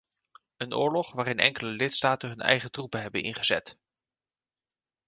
Een oorlog waarin enkele lidstaten hun eigen troepen hebben ingezet.